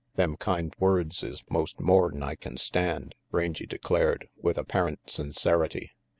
"Them kind words is most more'n I can stand," Rangy declared, with apparent sincerity.